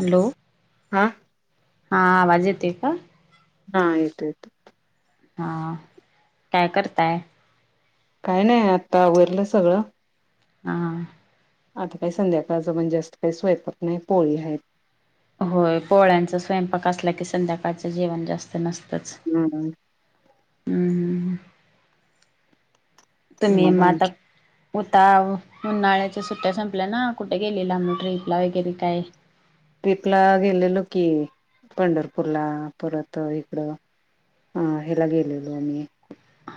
Hello. हा [unintelligible] हा आवाज येतेय का? हा येतय येतय. हा काय करताय. काय नाही आता आवरलं सगळं. हा [unintelligible] आता काही संध्याकाळच् जास्त काही स्वयंपाक नाही पोळी आहे. होय पोळ्यांचा स्वयंपाक असला की संध्याकाळचं जेवण जास्त नस हम्म, हम्म हम्म हम् हम् तुम्ही मग आणि माटाप उता उन्हाळ्याच्या सुट्या संपल्या ना, कुठे गेलेला ट्र्रीपला वगैरे काय? ट्रीपला गेलेलो की पंढरपूरला परत इकडं हा ह्याला गेलेलो आम्ही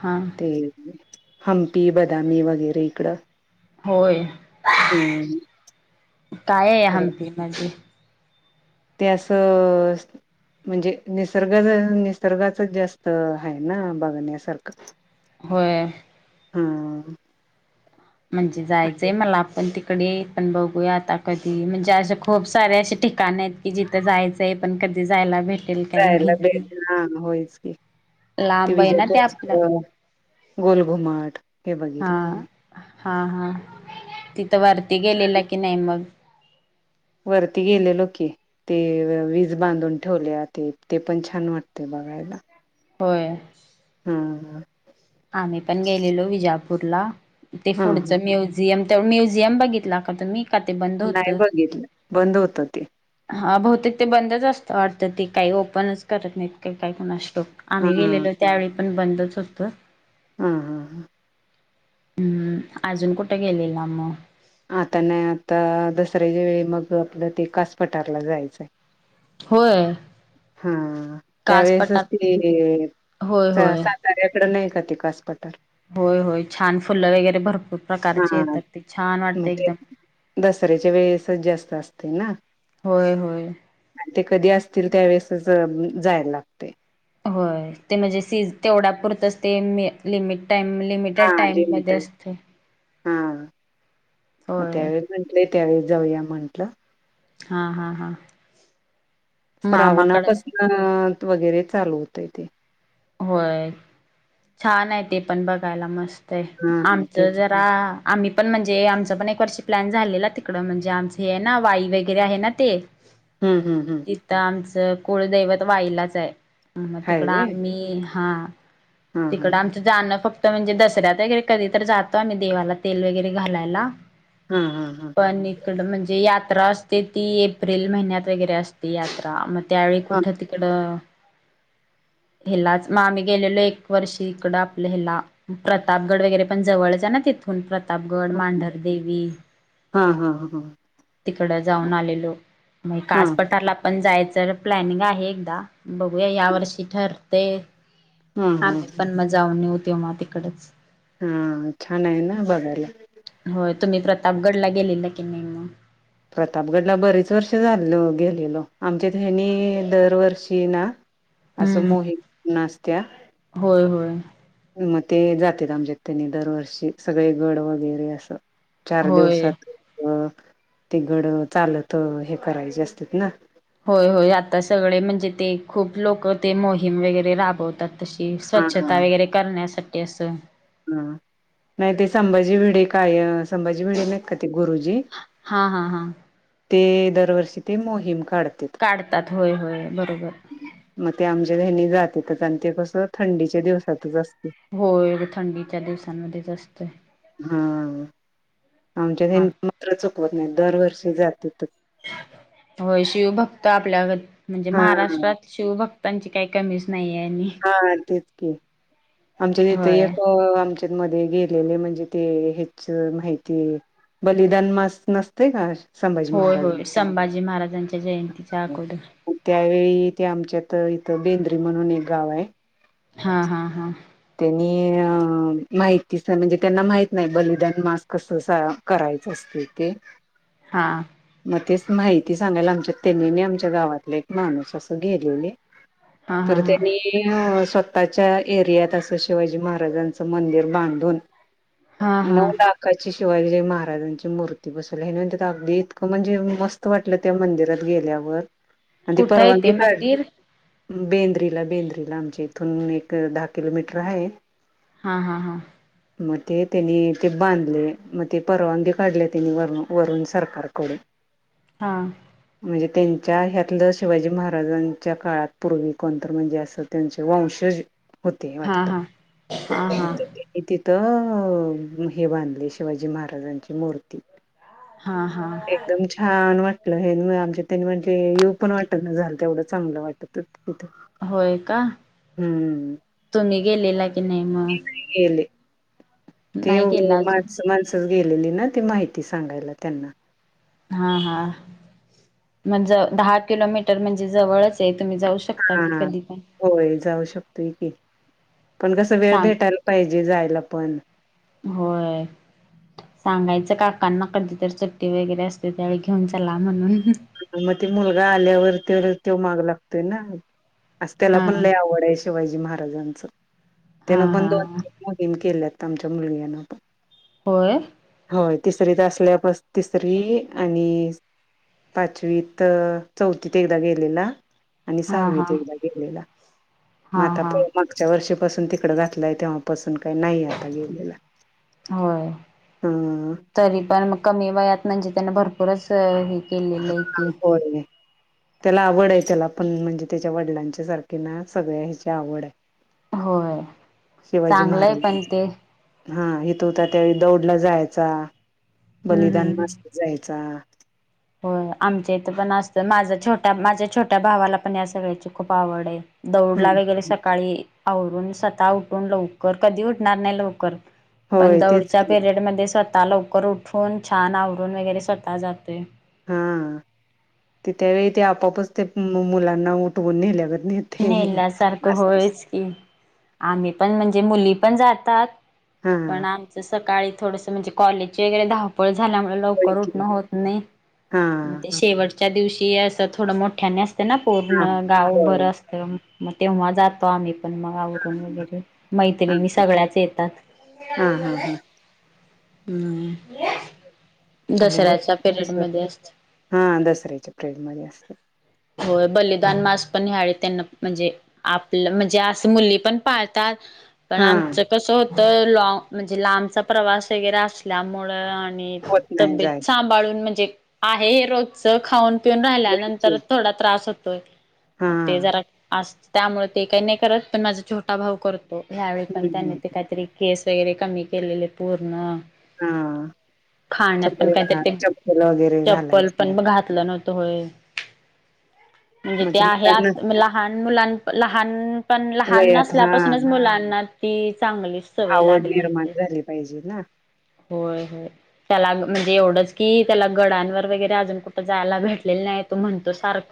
हा ते हंपी बदामी वगैरे इकडं होय हम्म. काय आहे परत हंपी मधी ते असं म्हणजे निसर्ग निसर्गाचच जास्त आहे ना बघण्यासारखं होय हा - म्हणजे जायचंय मला आपण ते पण बघूया आता कधी म्हणजे अस खूप सारे असे ठिकाण आहेत की जिथं जायचंय पण क जायला भेट जायला भेट हा होयच ते लांब आहे विज ना ते आपलं [unintelligible] गोलघुमट हे बघितलं हा आम्ही हा हा तिथं वरती गेलेला की नाही मग वरती गेलेलो की ते ब्रीज बांधून ठेवल्यात ते ते पण छान वाटतेय. बघायला. होय. हम. आम्ही पण गेलेलो विजापूरला ते हा पुढच हा म्युझियम म्युझियम बघितला का तुम्ही? का ते बंद नाही होतं बघितलं बंद होत ते हा बहुतेक ते बंदच असतं वाटतं ते काही ओपनच करत नाहीत का काही कोण हा आम्ही गेलेलो त्यावेळी पण बंदच होतं. हा हा हा हम्म, अजून कुठ गेलेला म? आता नाही आता दसऱ्या ज वेळी मग आपलं ते कास पटारला जायचंय. होय. हा त्यावेेळेसच कासपटात ती होय होय साताऱ्याकडे नाही कास पठार होय होय छान फुलं वगैरे भरपूर प्रकारचे हा येतात ते छान मग वाटते ते एकदम. दसऱ्याच्या वेळेसच जास्त असते ना होय होय ते कधी असतील त्यावेेळेसच जायला लागतय होय ते म्हणजे सीज तेवढापुरतंच ते मी-लिमिट टाइम हा लिमिटेड टाइम लिमिट मध्ये असते. हा मग होय त्यावेळी म्हटले त्यावेळी जाऊया म्हंटलं. हा- हा -हा.. मामाकडे श्रावणापासन वगैरे चालू होतय ते. होय छान आहे ते पण बघायला मस्त ते हा हा आमचं तेच जरा आम्ही पण म्हणजे आमचं पण एक वर्षी प्लॅन झालेला तिकडं म्हणजे आमचे हे आहे ना वाई वगैरे आहे ना ते हम्म -हम्म -हम्म तेज कुळदैवत वाईलाच आहे. हाय व्हय. ते हा तिकड आमचं जाणं फक्त तिथं म्हणजे दसऱ्यात वगैरे, कधी तर जातो आम्ही देवाला तेल वगैरे घालायला. हा -हा- हा तिकडं म्हणजे यात्रा असते, ती एप्रिल महिन्यात वगैरे असते यात्रा म त्यावेळी हा कुठं तिकडं हेलाच मग आम्ही गेलेलो एक वर्षी इकड आपलं हेला, प्रतापगड वगैरे पण जवळच ना ना तिथून प्रतापगड मांढरदेवी हा हा हा तिकड जाऊन आलेलो मग हा कास पटारला पण जायचं तर प्लॅनिंग आहे, एकदा बघूया या वर्षी ठरतय. हा हा आम्ही पण म जाऊन येऊ तेव्हा तिकडच, हा छान आहे ना बघायला. होय तुम्ही प्रतापगडला गेलेला की नाही म? प्रतापगडला बरीच वर्षे झाली गेलेलो, आमच्यात हेनी दरवर्षी ना असं हम्म मोहिम- अ असत्या होय होय म, ते जातेत आमच्यात तेनी दरवर्षी सगळे, गड वगैरे असं. चार होय दिवसात अ ते गड चालत, हे करायचे असतेत ना. होय होय आता सगळे म्हणजे ते खूप लोक ते मोहीम वगैरे राबवतात, तशी हा हा स्वच्छता वगैरे करण्यासाठी असं. हा नाही ते संभाजी भिडे काय संभाजी भिडे नाहीत काय ते गुरुजी, हा हा हा ते दरवर्षी ते मोहीम काढतेत. काढतात होय, होय बघ मग ते आमच्या हेनी जातेतच, आणि ते कस थंडीच्या दिवसातच असतय. होय थंडीच्या दिवसांमध्येच असतय. हा आमच्यात, हेनी मात्र चुकवत नाहीत दरवर्षी जातेत. होय शिवभक्त आपल्या, म्हणजे हा महाराष्ट्रात शिवभक्तांची काही कमीच नाहीये. हा तेच की आमच्या तिथं होय एक अ-आमच्या [unintelligible] गेलेले म्हणजे ते हेच माहिती, बलिदान मास नसतय काय संभाजी होय महाराज होय संभाजी महाराजांच्या जयंतीच्या अगोदर त्यावेळी ते आमच्यात इथ बेंद्री म्हणून एक गाव आहे, हा हा हा, त्यांनी अ माहितीच नाय म्हणजे तेंना माहित नाही, बलिदान मास कस सा- करायचं असत ते. हा मग तेच माहिती सांगायला, आमचे तेनी आणि आमच्या गावातले एक माणूस असं गेलेले. हा तर हा हा त्यांनी अ स्व स्तःच्या एरियात असं शिवाजी महाराजांचं मंदिर बांधून. हा नऊ हा लाखाची शिवाजीजी महाराजांची मूर्ती बसवल्या, हेनवंत तागदी म्हणजे मस्त वाटलं त्या मंदिरात गेल्यावर, आणि ती कुठं येते परवानगी काढ मंदिर बेंद्रीला, बेंद्रीला आमच्या इथून एक दहा किलोमीटर आहे. हा हा हा. मग ते त्यांनी ते बांधले मग ते परवानगी काढले त्यानी वरन वरून सरकार कडून, हा. म्हणजे त्यांच्या ह्यातलं, शिवाजी महाराजांच्या काळात पूर्वी कोणतर म्हणजे असं त्यांचे वंशज होते हा वाटत. हा हा [unintelligible] तर हे बांधले शिवाजी महाराजांची मूर्ती हा. हा एकदम छान वाट हेन मन आमच्या तनमन चे हे येऊ पण वाटत ना झालं, तेवढं चांगलं वाटत होत- होय का हम्म तुम्ही गेलेला की नाही मग? गेले ते नाही गेला अजून माणस माणसच गेलेली ना ती माहिती सांगायला त्यांना हा हा म्हणज दहा किलोमीटर म्हणजे जवळच हेत. तुम्ही जाऊ शकता की हा कधी पण. जाऊ होय की पण कस वेळ सांग भेटायला पाहिजे जायला पण. होय. सांगायचं काकांना कधीत चट्टी वगैरे असते त्यावेळी घेऊन चला म्हणून. मग ते मुलगा आल्यावर तर त्यों माग लागतोय ना. आस त्याला हा पण लय आवड आहे शिवाजी महाराजांचं. हा त्यानं पण दोन हा मोहीम केल्यात त आमच्या मुलग्या ने पण. होय. होय तिसरीत असल्या पस तिसरी आणि पाचवीत चौथीत एकदा गेलेला आणि हा हा सहावीत एकदा गेलेला मग हा आता हा मागच्या वर्षी पासून तिकड घातलाय तेव्हापसून काही नाही आता गेलेला. होय ह तरी पण मग कमी वयात म्हणजे त्यान भरपूरच हे केलेलं आहे की होय त्याला आवड हाय त्याला पण म्हणजे त्याच्या वडिलांच्या सारखीना सगळ्या ह्याची आवड आहे होय. शिवाजी चांगलंय पण महाराज, ते हा हिथं होता त्यावेळी दौडला जाय चा हम्म हम्म बलिदान हम्म मास जायचा होय आमच्या इथं पण असतं माझ्या छोट्या माझ्या छोट्या भावाला पण या सगळ्याची खूप आवड आहे. दौडला वगैरे हम्म सकाळी आवरून स्वतः उठून लवकर कधी उठणार नाही लवकर पण होय तेच दौडच्या की पिरयड मध्ये स्व तः लवकर उठून छान आवरून वगैरे स्वतः जातोय हा, ते त्यावेळी ते आपापच ते मु मुलांना उठवून नेल्यागत नेते नेला सारखं असं होयच की, आम्ही पण म्हणजे मुली पण जातात हा पण आमचं सकाळी थोडस म्हणजे कॉलेज ची वगैरे धावपळ झाल्यामुळे होय लवकर की उठण होत नाही हा मग ते शेवट च्या दिवशी असं थोडं मोठ्याने असते ना हा पूर्ण गावभर होय. अस मग तेव्हा जातो आम्ही पण मग आवरून वगैरे मैत्रिणी सगळ्याच येतात हा हा हा हा हम्म. आणि बघ दसऱ्याच्या पिरियड मध्ये [unintelligible] असत हा दसऱ्याच्या प्रेड मध्ये असतं. होय, बलिदान मास पण ह्या वेळी त्यांना म्हणजे आपलं म्हणजे असं मुली पण पाळतात पण हा आमचं कस होत लॉ म्हणजे लांबचा प्रवास वगैरे असल्यामुळ आणि होत नाही तब्येत जायचं सांभाळून म्हणजे आहे रोजच खाऊन पिऊन वळचे राहिल्यानंतर थोडा त्रास होतोय हा. मग ते जरा अस त्यामुळे ते काय काही नाही करत पण माझा छोटा भाऊ करतो ह्यावेळी पण त्यानी हम्म ते काहीतरी केस वैगरे कमी केलेले पूर्ण हा खाण्यात पण चप्पल काहीतरी घा ते चप्पल वगैरे चप्पल घालायच पण नाही घातलं नव्हतं त होय म्हणजे ते आहे आत [unintelligible] लहान मुलां लहान पण लहान वयात हा असल्यापासूनच मुलांना ती चांगली सवय आवड लागली निर्माण होती झाली पाहिजे ना होय होय त्याला म्हणजे एवढंच की त्याला गडांवर वगैरे अजून कुठं जायला भेटलेलं नाही तो म्हणतो सारखं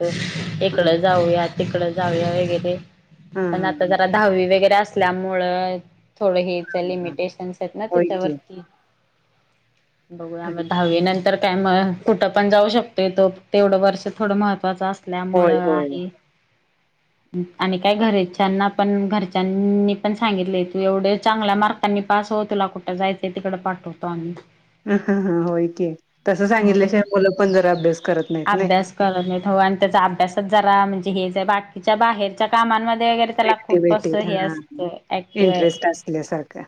हा इकड जाऊया तिकड जाऊया वगैरे हा पण हा आता हा जरा दहावी वगैरे अस ल्यामुळे थोड हे हा लिमिटेशनस आहेत ना होय की त्याच्यावरती बघू आम्ही दहावी नंतर काय मग कुठं पण जाऊ शकते तो तेवढं वर्ष थोडं महत्वाचं असत असल्यामुळे होय होय आहे. [inaudible] आणि काय घरच्यांना पण, घरच्यांनी पण सांगितले तू एवढे चांगल्या मार्कांनी पा स हो तुला कुठे, जायचं तिकडे पाठवतो आम्ही. ह ह ह होय की, तसं होय सांगितल्याशिवाय मुलं पण जरा अभ्यास करत नाहीत नी. अभ्यास करत नाहीत हो आणि अभ्यासात जरा, म्हणजे हे बाकीच्या बाहेरच्या कामांनमध्ये, गैरे त्याला खूप अस ऍक्टिव्हिटीत हे हा असतंय ऍक्टिव हाय. इंटरेस्ट असल्यासारखा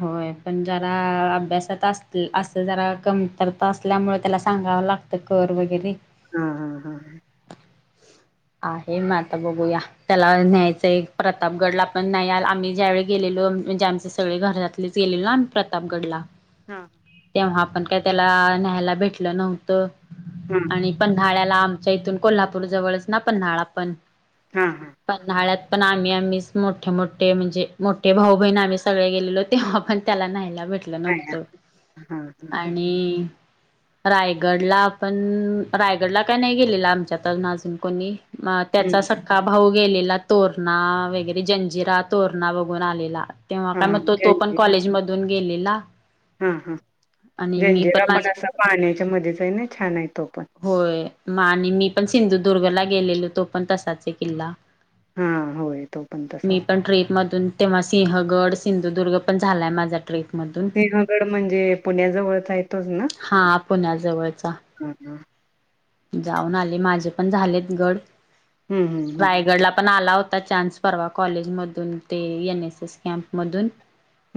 होय.. पण जरा, अभ्यासात अस असं जरा कमतरता असल्यामुळे त्याला सांगावं लागतं कर वगैरे, हा हा हा. आहे मग आता बघूया, त्याला न्यायचंय प्रतापगडला पण नाही आला आम्ही ज्या वेळी गेलेलो. म्हणजे आमचे सगळे घरातलेच गेलेलो ना आम्ही प्रतापगडला. हा.. आपण का त्याला न्यायला भेटल नव्हतं हा आणि पन्हाळ्याला, आमच्या इथून कोल्हापूर जवळच ना पन्हाळा पण हा हा पन्हाळ्यात, पण आम्ही आम्हीच, मोठे मोठे म्हणजे मोठे भाऊ बहिण आम्ही सगळे गेलेलो तेव्हा पण त्याला नाही न्हायल. भेटलं काय नव्हत हा हा हा आणि, रायगडला पण.. रायगडला काय नाही गेलेलं आमच्यातल अजून कोणी. मग त्याचा हम्म सक्का भाऊ गेलेला. तोरणा वगैरे जंजिरा तोरणा बघून आलेला. तेव्हा हा काय मग तो, तो पण जंजी कॉलेज मधून गेलेला. हा हा, आणि मी जंजिरा माझ पण असा पाण्याच्या मध्येच, आहे ना छान आहे तो पण. होय म आणि मी पण सिंधुदुर्गला गेलेलो, तो पण तसाच आहे किल्ला. हा होय तो पण मी तसाच पण ट्रीप मधून तेव्हा सिंहगड. सिंधुदुर्ग पण झालाय माझा. ट्रेकमधून सिंहगड म्हणजे पुण्या जवळच आहे. तोच ना, हा पुण्याजवळचा हम हम. जाऊन आले माझे पण झालेत गड, हम्म हम्म रायगडला पण आला होता. आता चान्स परवा कॉलेज मधून, ते एनएस एस कॅम्प मधून.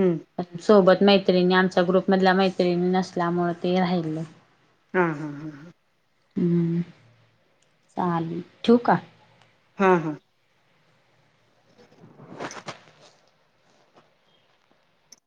हम्म सोबत मैत्रिणी आमच्या ग्रुप मधल्या मैत्रिणी नसल्यामुळे ते राहिले. हा हा हा हा. हम्म चालेल ठेऊ का. हा हा.